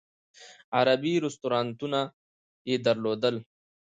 عربي رستورانونه یې درلودل.